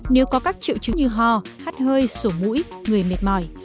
nếu có các triệu chứng như ho hát hơi sổ mũi người mệt mỏi